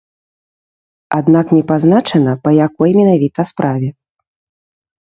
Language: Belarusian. Аднак не пазначана па якой менавіта справе.